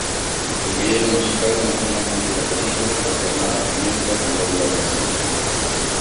El vídeo musical muestra imágenes de la película, alternadas con Elsa cantando la canción.